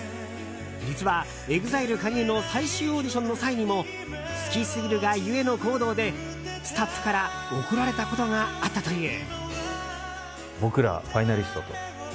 実はＥＸＩＬＥ加入の最終オーディションの際にも好きすぎるがゆえの行動でスタッフから怒られたことがあったという。